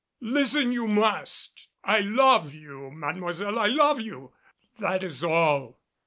Listen you must. I love you, Mademoiselle, I love you! That is all."